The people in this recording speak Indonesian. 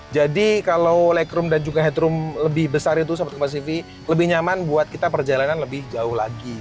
jadi kalau legroom dan juga headroom lebih besar itu sahabat kuasivi lebih nyaman buat kita perjalanan lebih jauh lagi gitu